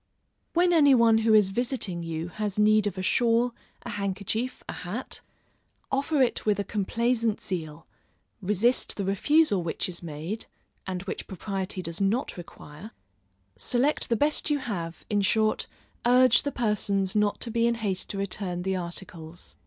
When any one who is visiting you has need of a shawl, a handkerchief, a hat, offer it with a complaisant zeal, resist the refusal which is made (and which propriety does not require) select the best you have, in short, urge the persons not to be in haste to return the articles.